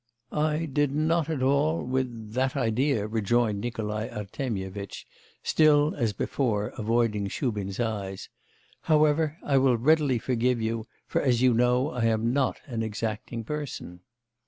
'I did not at all... with that idea,' rejoined Nikolai Artemyevitch, still as before avoiding Shubin's eyes. 'However, I will readily forgive you, for, as you know, I am not an exacting person.